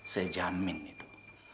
saya jamin itu